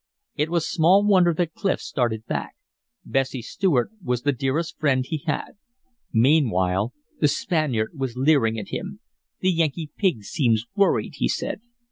It was small wonder that Clif started back; Bessie Stuart was the dearest friend he had. Meanwhile the Spaniard was leering at him. "The Yankee pig seems worried," he said.